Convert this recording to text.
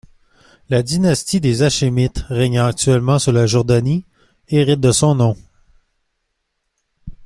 La dynastie des Hachémites, régnant actuellement sur la Jordanie, hérite de son nom.